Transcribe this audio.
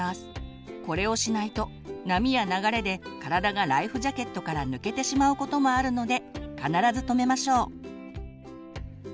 これをしないと波や流れで体がライフジャケットから抜けてしまうこともあるので必ず留めましょう。